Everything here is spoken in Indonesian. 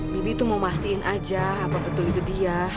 bibi itu mau mastiin aja apa betul itu dia